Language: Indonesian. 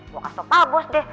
gue kasih tau bos deh